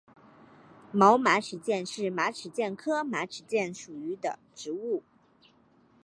毛马齿苋是马齿苋科马齿苋属的植物。